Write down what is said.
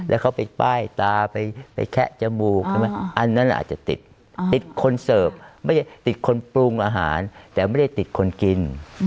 แล้วเขาไปป้ายตาไปแคะจมูกใช่ไหมอันนั้นอาจจะติดติดคนเสิร์ฟไม่ได้ติดคนปรุงอาหารแต่ไม่ได้ติดคนกิน